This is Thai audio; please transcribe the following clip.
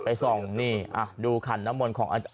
ส่องนี่ดูขันน้ำมนต์ของอาจาร